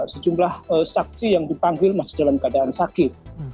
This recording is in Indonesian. sejumlah saksi yang dipanggil masih dalam keadaan sakit